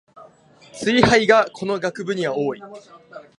ツイ廃がこの学部には多い